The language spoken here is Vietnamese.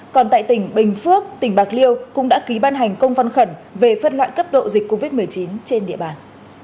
còn tại tỉnh bình phước tỉnh bạc liêu cũng đã ký ban hành công văn khẩn về phân loại cấp độ dịch covid một mươi chín trên địa bàn